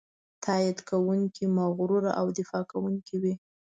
تاکید کوونکی، مغرور او دفاع کوونکی وي.